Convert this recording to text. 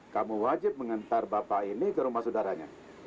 kamu wajib mengantar bapak ini ke rumah saudaranya